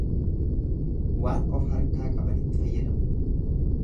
Waan of harkaa qabanitti fayyadamu.